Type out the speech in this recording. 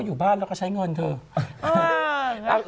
อยู่บ้านแล้วก็ใช้เงินเถอะ